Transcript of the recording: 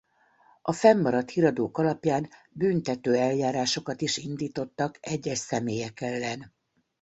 A fennmaradt híradók alapján büntető eljárásokat is indítottak egyes személyek ellen.